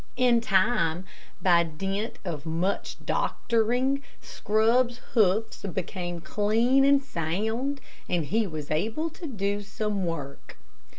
In time, by dint of much doctoring, Scrub's hoofs became clean and sound, and he was able to do some work.